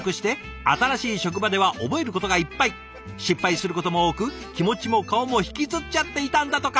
失敗することも多く気持ちも顔も引きつっちゃっていたんだとか。